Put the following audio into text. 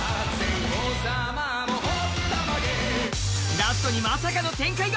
ラストにまさかの展開が。